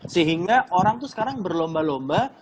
sehingga orang tuh sekarang berlomba lomba